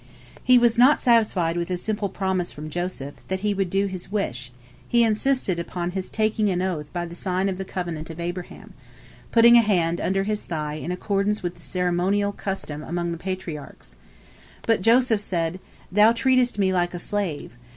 He was not satisfied with a simple promise from Joseph, that he would do his wish; he insisted upon his taking an oath by the sign of the covenant of Abraham, putting a hand under his thigh in accordance with the ceremony customary among the Patriarchs! But Joseph said: "Thou treatest me like a slave.